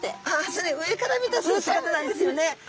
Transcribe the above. それ上から見た姿なんですよね。